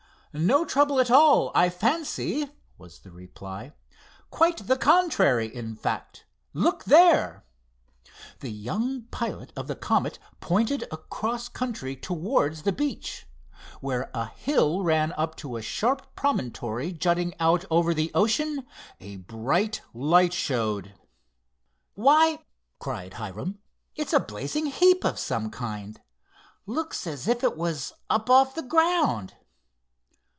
"No trouble at all, I fancy," was the reply; "quite the contrary, in fact. Look there." The young pilot of the Comet pointed across country towards the beach. Where a hill ran up to a sharp promontory jutting out over the ocean, a bright light showed. "Why," cried Hiram, "it's a blazing heap of some kind. Looks as if it was up off the ground."